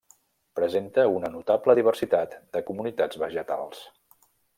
Presenta una notable diversitat de comunitats vegetals.